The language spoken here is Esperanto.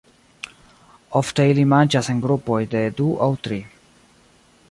Ofte ili manĝas en grupoj de du aŭ tri.